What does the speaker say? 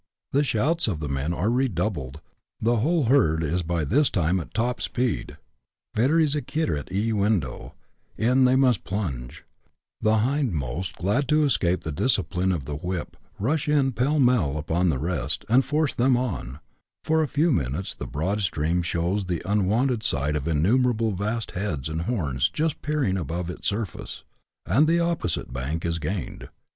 The shouts of the men are redoubled, the whole herd is by this time at top speed, " vires acquirit eundo ;" in they must plunge ; the hindmost, glad to escape the discipline of the whip, rush in pell mell upon the rest, and force them on ; ,for a few minutes the broad stream shows the unwonted sight of innumerable vast heads and horns just peering above its surface, and the opposite bank is gained.